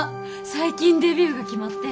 最近デビューが決まって。